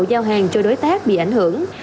giao hàng cho đối tác bị ảnh hưởng